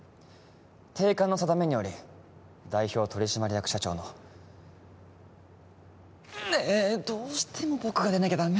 定款の定めにより代表取締役社長のねえどうしても僕が出なきゃダメ？